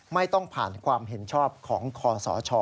ไม่ต้องผ่านความเห็นชอบของคอสช